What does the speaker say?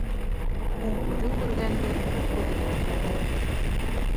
Уң күҙең күргәнде һул күҙең күрмәһен.